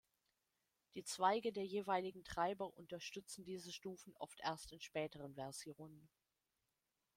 Die Zweige der jeweiligen Treiber unterstützen diese Stufen oft erst in späteren Versionen.